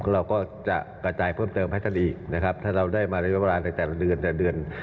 เราก็จะกระจายเพิ่มเติมให้ท่านอีกนะครับถ้าเราได้มาระยะเวลาในแต่ละเดือนแต่เดือน